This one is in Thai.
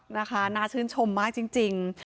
นะคะน่าชื่นชมมากจริง